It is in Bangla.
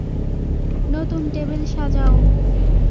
নতুন টেবিল সাজাও।